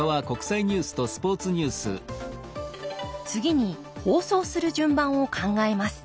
次に放送する順番を考えます。